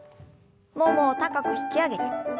ももを高く引き上げて。